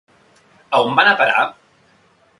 A on va anar a parar?